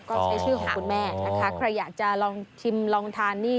ก็ใช้ชื่อของคุณแม่นะคะใครอยากจะลองชิมลองทานนี่